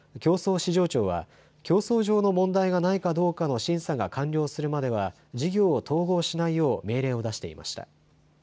・市場庁は競争上の問題がないかどうかの審査が完了するまでは事業を統合しないよう命令を出していました。